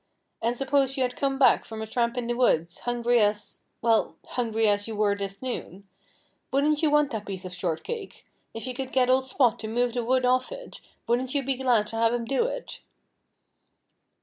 And suppose you had come back from a tramp in the woods, hungry as well, hungry as you were this noon. Wouldn't you want that piece of shortcake? If you could get old Spot to move the wood off it, wouldn't you be glad to have him do it?"